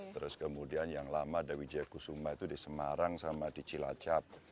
terus kemudian yang lama ada wijaya kusuma itu di semarang sama di cilacap